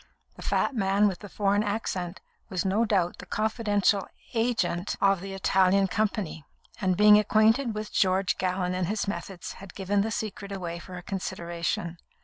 The fat man with the foreign accent was no doubt the confidential agent of the Italian company, and being acquainted with George Gallon and his methods, had given the secret away for a consideration.